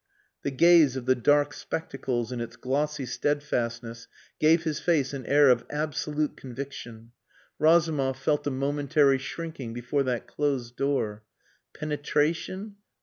The gaze of the dark spectacles in its glossy steadfastness gave his face an air of absolute conviction. Razumov felt a momentary shrinking before that closed door. "Penetration?